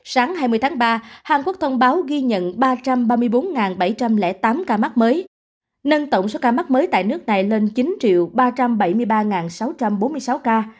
sáng hai mươi tháng ba hàn quốc thông báo ghi nhận ba trăm ba mươi bốn bảy trăm linh tám ca mắc mới nâng tổng số ca mắc mới tại nước này lên chín ba trăm bảy mươi ba sáu trăm bốn mươi sáu ca